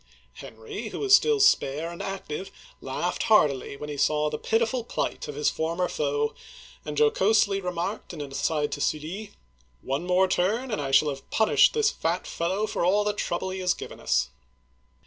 Henry, who was still spare and active, laughed heartily when he saw the pitiful plight of his former foe, and jo cosely remarked in an aside to Sully, " One more turn, and I shall have punished this fat fellow for all the trouble he has given us